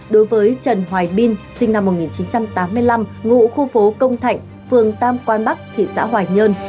đối với trần hoài binh sinh năm một nghìn chín trăm tám mươi năm ngụ khu phố công thạnh phường tam quan bắc tp hoài nhơn